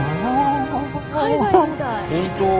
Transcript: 海外みたい。